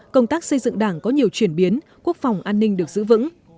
công tác xây dựng đảng có nhiều chuyển biến quốc phòng an ninh được giữ vững